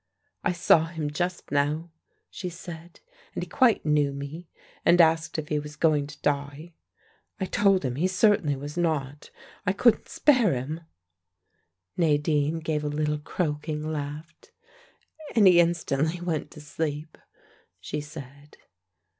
"I saw him just now," she said, "and he quite knew me, and asked if he was going to die. I told him 'he certainly was not; I couldn't spare him.'" Nadine gave a little croaking laugh. "And he instantly went to sleep," she said.